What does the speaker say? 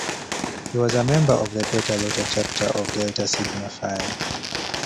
He was a member of the Beta Iota chapter of Delta Sigma Phi.